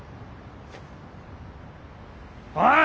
おい！